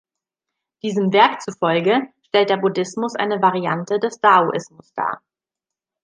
Diesem Werk zufolge stellt der Buddhismus eine Variante des Daoismus dar.